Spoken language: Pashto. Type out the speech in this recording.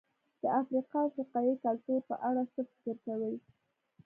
د افریقا او افریقایي کلتور په اړه څه فکر کوئ؟